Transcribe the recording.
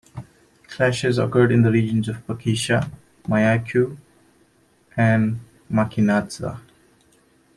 Clashes occurred in the regions of Paquisha, Mayaycu, and Machinatza.